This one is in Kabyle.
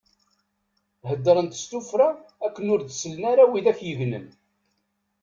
Heddṛent s tuffra akken ur d-sellen ara widak i yegnen.